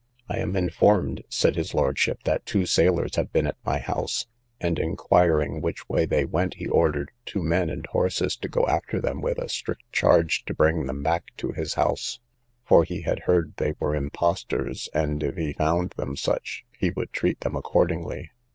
I am informed, said his lordship, that two sailors have been at my house; and, inquiring which way they went, he ordered two men and horses to go after them, with a strict charge to bring them back to his house, for he had heard they were impostors; and, if he found them such, he would treat them accordingly.